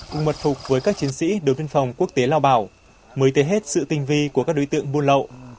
hùng mật phục với các chiến sĩ đối với biên phòng quốc tế lao bảo mới tới hết sự tinh vi của các đối tượng buôn lậu